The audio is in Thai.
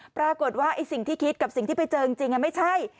ปรากฏว่าไอ้สิ่งที่คิดกับสิ่งที่ไปเจอจริงไม่ใช่